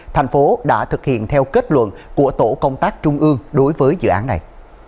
thành phố đã thực hiện theo kết luận của tổ công tác trung ương đối với dự án này